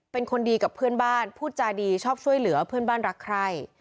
เป็นคนดีกับเพื่อนบ้านพูดจาดีชอบช่วยเหลือเพื่อนบ้านรักใคร